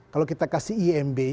kalau kita kasih imb